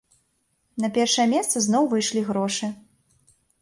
На першая месца зноў выйшлі грошы.